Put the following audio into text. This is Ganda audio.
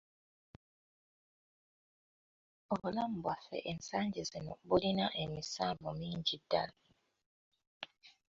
Obulamu bwaffe ensangi zino bulina emisanvu mingi ddala.